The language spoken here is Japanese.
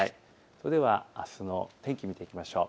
それではあすの天気を見ていきましょう。